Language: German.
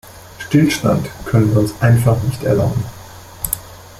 Stillstand können wir uns einfach nicht erlauben.